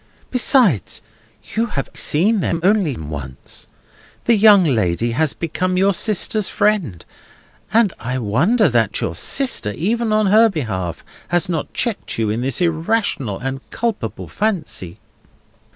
Besides, you have seen them only once. The young lady has become your sister's friend; and I wonder that your sister, even on her behalf, has not checked you in this irrational and culpable fancy."